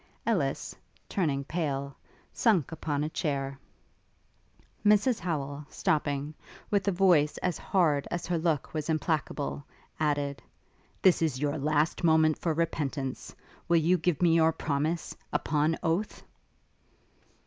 Ellis, turning pale, sunk upon a chair. Mrs Howel, stopping, with a voice as hard as her look was implacable, added; 'This is your last moment for repentance. Will you give your promise, upon oath?'